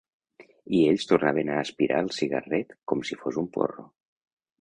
I ells tornaven a aspirar el cigarret com si fos un porro.